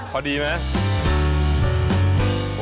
พอดีไหม